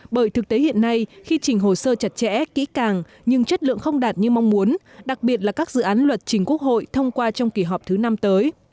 bởi thực tế hiện nay khi chỉnh hồ sơ chặt chẽ kỹ càng nhưng chất lượng không đạt như mong muốn đặc biệt là các dự án luật chỉnh quốc hội thông qua trong kỳ họp thứ năm tới